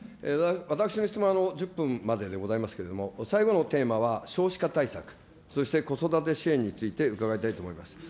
私の質問、１０分まででございますけれども、最後のテーマは少子化対策、そして子育て支援について伺いたいと思います。